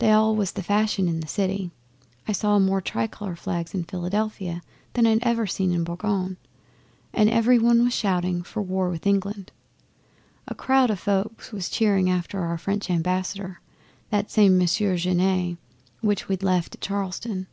They all was the fashion in the city. I saw more tricolour flags in Philadelphia than ever I'd seen in Boulogne, and every one was shouting for war with England. A crowd o' folk was cheering after our French Ambassador that same Monsieur Genet which we'd left at Charleston.